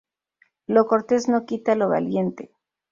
Lo cortés no quita lo valiente